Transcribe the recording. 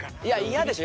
嫌でしょ。